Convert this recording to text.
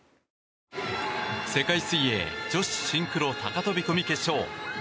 世界水泳女子シンクロ高飛込決勝。